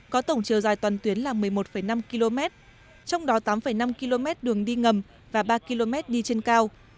có tổng chiều dài toàn tuyến là một mươi một năm km trong đó tám năm km đường đi ngầm và ba km đi trên cao